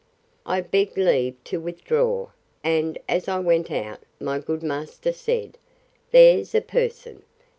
I begged leave to withdraw; and, as I went out, my good master said, There's a person!